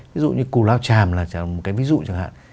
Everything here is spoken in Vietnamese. ví dụ như cù lao tràm là một cái ví dụ chẳng hạn